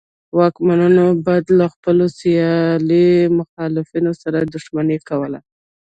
واکمنو به له خپلو سیاسي مخالفینو سره دښمني کوله.